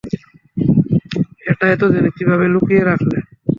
এটা এতোদিন কিভাবে লুকিয়ে রাখলে?